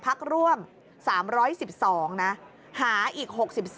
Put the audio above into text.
พักร่วม๓๑๒นะหาอีก๖๓